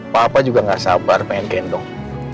papa juga gak sabar pengen gendong